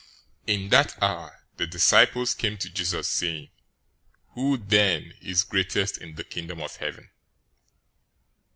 018:001 In that hour the disciples came to Jesus, saying, "Who then is greatest in the Kingdom of Heaven?"